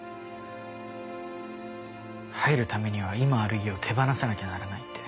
入るためには今ある家を手放さなきゃならないって。